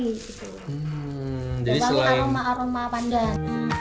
wangi aroma aroma pandan